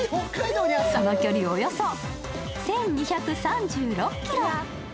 その距離およそ１２３６ｋｍ。